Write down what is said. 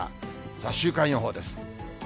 さあ、週間予報です。